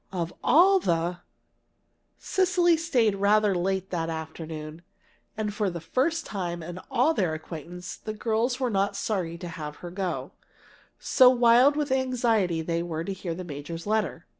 of all the " Cecily stayed rather late that afternoon. And for the first time in all their acquaintance, the girls were not sorry to have her go, so wild with anxiety were they to hear the major's letter.